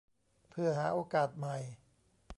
เพื่อหาโอกาสใหม่